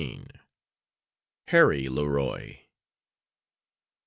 HARRY LEROY.